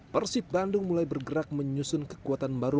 persib bandung mulai bergerak menyusun kekuatan baru